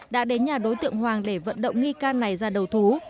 đã đến nhà đối tượng hoàng để vận động nghi can này ra đầu thú